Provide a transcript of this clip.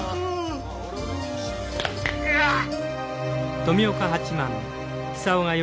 うわっ。